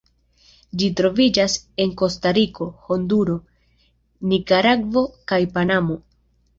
Ĝi troviĝas en Kostariko, Honduro, Nikaragvo kaj Panamo.